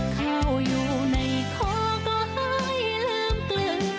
เข้ายู่ในของก็ให้ลืมกลึ่ง